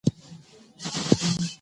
په افغانستان کې د هندوکش تاریخ اوږد دی.